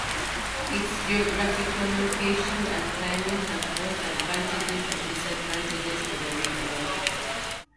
Its geographical location and climate have both advantages and disadvantages for the region.